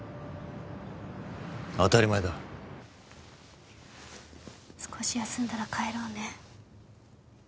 当たり前だ少し休んだら帰ろうね